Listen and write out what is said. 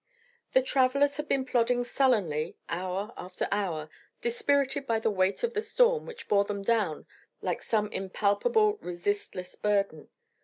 The travellers had been plodding sullenly, hour after hour, dispirited by the weight of the storm, which bore them down like some impalpable, resistless burden.